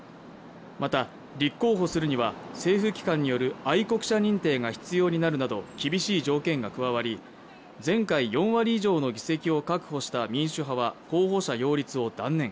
また、立候補するには政府機関による愛国者認定が必要になるなど厳しい条件が加わり、前回４割以上の議席を確保した民主派は、候補者擁立を断念。